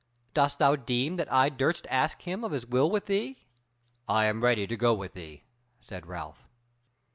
Dost thou deem that I durst ask him of his will with thee?" "I am ready to go with thee," said Ralph.